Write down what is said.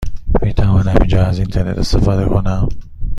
می توانم اینجا از اینترنت استفاده کنم؟